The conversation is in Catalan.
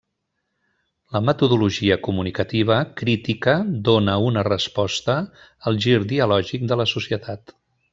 La metodologia comunicativa crítica dona una resposta al gir dialògic de la societat.